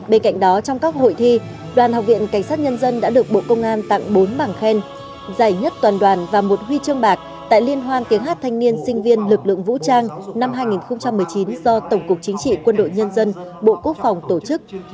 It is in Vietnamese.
bên cạnh đó trong các hội thi đoàn học viện cảnh sát nhân dân đã được bộ công an tặng bốn bằng khen giải nhất toàn đoàn và một huy chương bạc tại liên hoan tiếng hát thanh niên sinh viên lực lượng vũ trang năm hai nghìn một mươi chín do tổng cục chính trị quân đội nhân dân bộ quốc phòng tổ chức